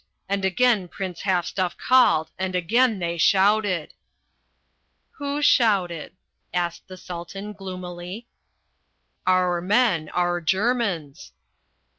And again Prinz Halfstuff called and again they shouted." "Who shouted?" asked the Sultan gloomily. "Our men, our Germans."